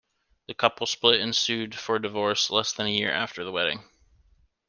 The couple split and sued for divorce less than a year after the wedding.